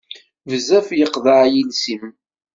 Bezzaf yeqḍeɛ yiles-im.